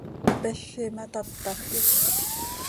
Tpezi ma, tatax, yoque.